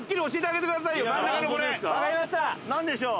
何でしょう？